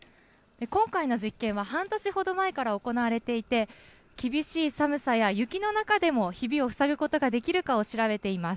今回の実験は半年ほど前から行われていて、厳しい寒さや雪の中でもひびを塞ぐことができるかを調べています。